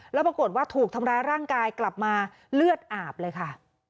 แล้วปรากฏว่าถูกทำร้ายร่างกายกลับมาเลือดอาบเลยค่ะ